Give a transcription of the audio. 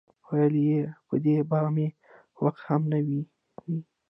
ویل یې: په دې به مې غوږ هم نه وینئ.